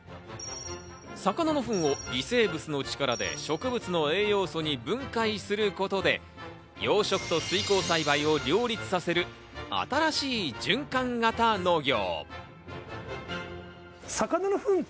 魚の糞を微生物の力で植物の栄養素に分解することで、養殖と水耕栽培を両立させる新しい循環型農業。